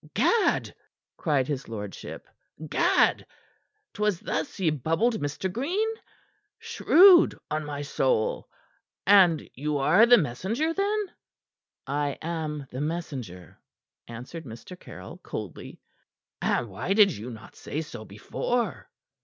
"Gad!" cried his lordship. "Gad! 'Twas thus ye bubbled Mr. Green? Shrewd, on my soul. And you are the messenger, then?" "I am the messenger," answered Mr. Caryll coldly. "And why did you not say so before?"